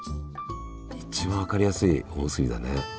一番分かりやすいおむすびだね。